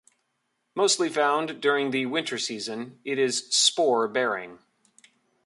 Mostly found during the winter season, it is spore bearing.